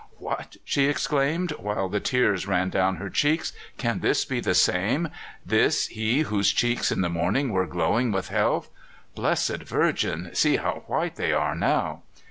"What!" she exclaimed, while the tears ran down her cheeks. "Can this be the same? This he whose cheeks in the morning were glowing with health? Blessed Virgin, see how white they are now!"